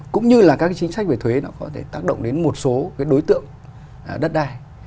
cũng như là các cái chính sách về thuế nó có thể tác động đến một số cái đối tượng đất đai